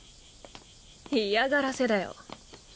嫌がらせだよ。